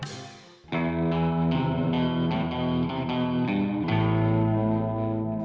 ya itu baru